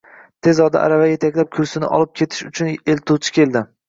Tez orada arava etaklab kursini olib ketish uchun eltuvchi keldi